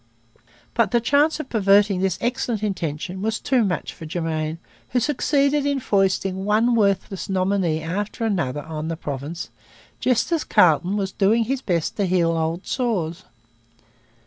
But the chance of perverting this excellent intention was too much for Germain, who succeeded in foisting one worthless nominee after another on the province just as Carleton was doing his best to heal old sores.